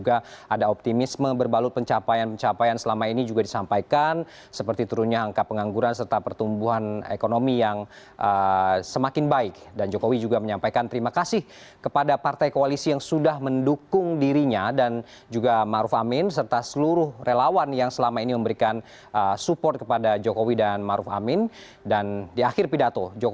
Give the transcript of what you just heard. assalamualaikum warahmatullahi wabarakatuh